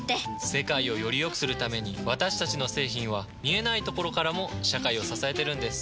世界をよりよくするために私たちの製品は見えないところからも社会を支えてるんです。